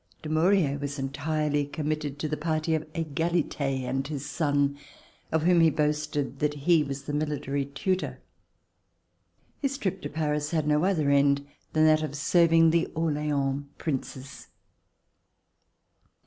Dumouriez was entirely committed to the party of Egalite and his son of whom he boasted that he was the military tutor. His trip to Paris had no other end than that of serving the Orleans Princes.